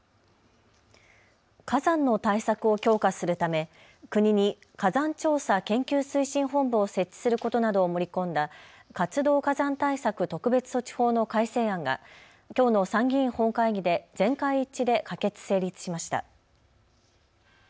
火山の対策を強化するため国に火山調査研究推進本部を設置することなどを盛り込んだ活動火山対策特別措置法の改正案がきょうの参議院本会議で全会一致で可決・成立しました。